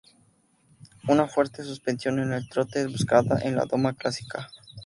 Una fuerte suspensión en el trote es buscada en la doma clásica.